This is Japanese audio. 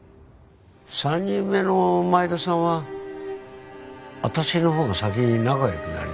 ３人目の前田さんは私のほうが先に仲良くなりましてね。